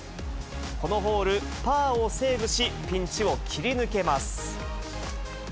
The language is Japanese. このホール、パーをセーブし、ピンチを切り抜けます。